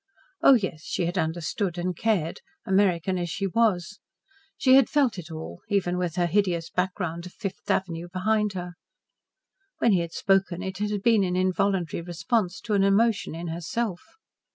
Oh, yes, she had understood and cared, American as she was! She had felt it all, even with her hideous background of Fifth Avenue behind her. When he had spoken it had been in involuntary response to an emotion in herself.